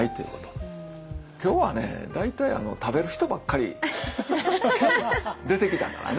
今日はね大体食べる人ばっかり出てきたからね。